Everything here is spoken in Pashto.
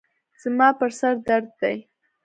زما پر سر درد دی.